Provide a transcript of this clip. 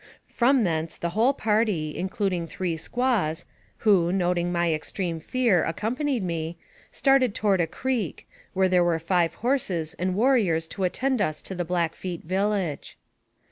172 NARRATIVE OF CAPTIVITY From thence, the whole party, including three squaws, who, noting my extreme fear, accompanied me, started toward a creek, where there were five horses and warriors to attend us to the Blackfeet village.